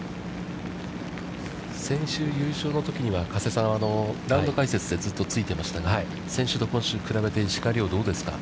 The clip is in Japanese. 先週優勝時には、加瀬さん、ラウンド解説でずっとついていましたが、先週今週比べて石川遼はどうですか？